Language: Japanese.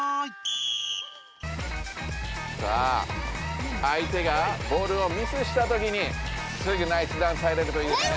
さああい手がボールをミスしたときにすぐナイスダンス入れるといいですね。